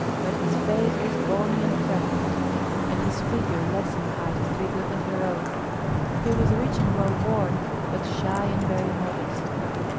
But his face was bony and freckled, and his figure less in height and vigor than her own. He was rich and well born, but shy and very modest.